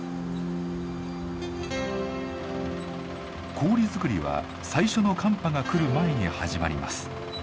氷作りは最初の寒波が来る前に始まります。